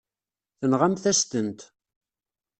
Tenɣamt-as-tent.